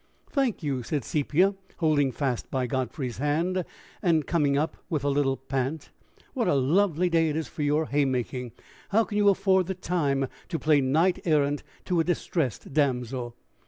"Thank you," said Sepia, holding fast by Godfrey's hand, and coming up with a little pant. "What a lovely day it is for your haymaking! How can you afford the time to play knight errant to a distressed damsel?"